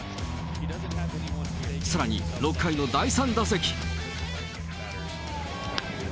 さらに６回の第３打席。